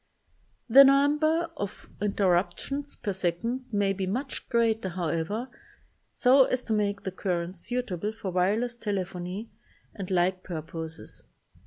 The number of interruptions per second may be much greater, however, so as to make the currents suitable for wire less telephony and like purposes.